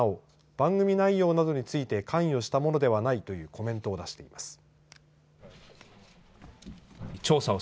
なお、番組内容などについて関与したものではないというコメントを出しています。